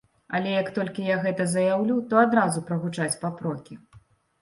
Але як толькі я гэта заяўлю, то адразу прагучаць папрокі.